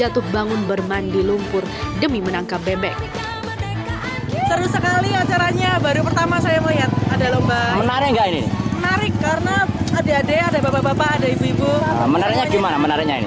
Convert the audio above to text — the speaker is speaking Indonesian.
tuh sampai dia jatuh jatuh